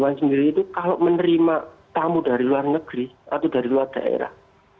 dewan sendiri itu kalau menerima tamu dari luar negeri atau dari luar daerah